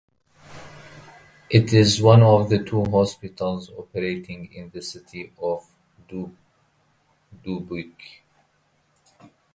It is one of two hospitals operating in the city of Dubuque.